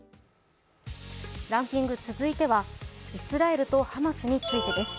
ランキング、続いてはイスラエルとハマスについてです。